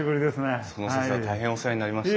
その節は大変お世話になりました。